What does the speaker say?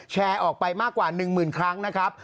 แชร์ออกไปมากกว่า๑หมื่นครั้งนะครับ